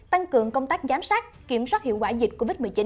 tăng cường công tác giám sát kiểm soát hiệu quả dịch covid một mươi chín